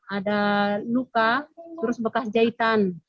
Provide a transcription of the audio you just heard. ada luka terus bekas jahitan